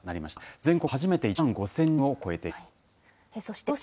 全国でも初めて１万５０００人を超えています。